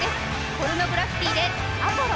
ポルノグラフィティで「アポロ」。